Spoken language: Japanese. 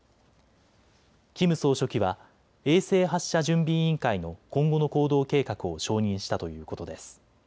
キム総書記は衛星発射準備委員会の今後の行動計画を承認したということです。